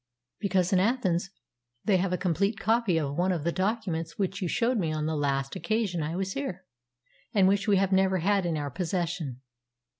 "Because in Athens they have a complete copy of one of the documents which you showed me on the last occasion I was here, and which we have never had in our possession."